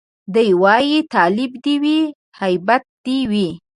دی وايي تالب دي وي هيبت دي وي